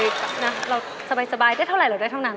เราสบายได้เท่าไหรเราได้เท่านั้น